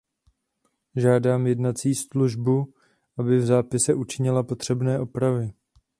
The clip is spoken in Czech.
Žádám jednací službu, aby v zápise učinila potřebné opravy.